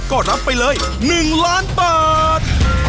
ก็รับไปเลย๑ล้านบาท